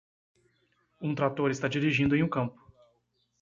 Um trator está dirigindo em um campo.